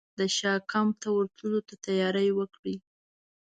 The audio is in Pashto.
د شاه کمپ ته ورتللو ته تیاري وکړي.